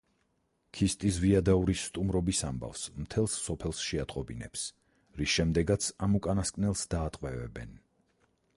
ქისტი ზვიადაურის სტუმრობის ამბავს მთელს სოფელს შეატყობინებს, რის შემდეგაც ამ უკანასკნელს დაატყვევებენ.